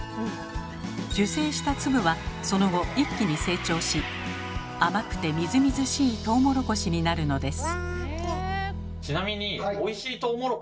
受精した粒はその後一気に成長し甘くてみずみずしいトウモロコシになるのです。